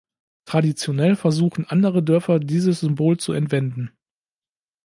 Traditionell versuchen andere Dörfer dieses Symbol zu entwenden.